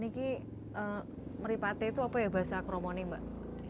ini meripate itu apa ya bahasa akromoni mbak